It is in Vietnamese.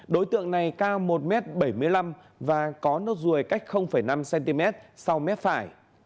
đối tượng này cao một m bảy mươi năm và có nốt ruồi cách năm cm sau mép phải